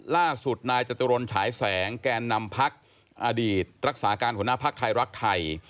ล่าสุดนายจตุรนฉายแสงแกนนำพักอดีตรักษาการหัวหน้าภักดิ์ไทยรักไทย